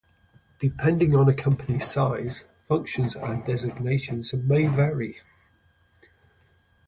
Depending on a company's size, functions and designations may vary.